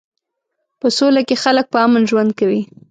په سوله کې خلک په امن ژوند کوي.